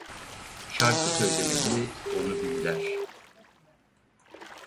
Şarkı söylemeleri onu büyüler.